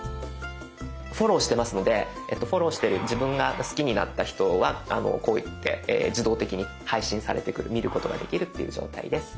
フォローしてますのでフォローしてる自分が好きになった人のがこうやって自動的に配信されてくる見ることができるっていう状態です。